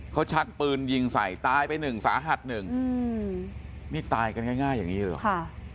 เขาชักปืนยิงใส่ตายไปหนึ่งสาหัสหนึ่งอืมนี่ตายกันง่ายอย่างนี้เลยเหรอ